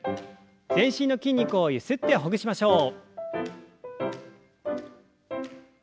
全身の筋肉をゆすってほぐしましょう。